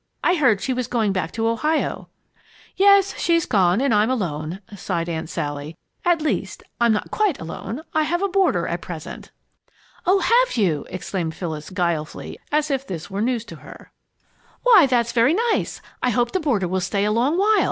I heard she was going back to Ohio." "Yes, she's gone and I'm alone," sighed Aunt Sally; "at least, I'm not quite alone. I have a boarder at present." "Oh, have you!" exclaimed Phyllis, guilefully, as if it were all news to her. "Why, that's very nice. I hope the boarder will stay a long while.